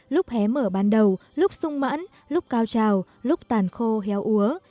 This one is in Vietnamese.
lúc hé mở ban đầu lúc sung mãn lúc cao trào lúc tàn khô héo úa